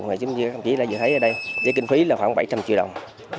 như các đồng chí đã vừa thấy ở đây với kinh phí khoảng bảy trăm linh triệu đồng